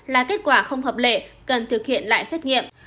là kết quả không hợp lệ cần thực hiện lại xét nghiệm